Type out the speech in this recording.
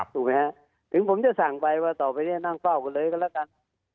ถึงผมจะสั่งใบว่าต่อไปนี่นั่งเฝ้ากันเลยก็แล้วกัน